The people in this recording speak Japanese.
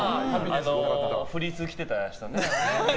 フリースを着てた人ね。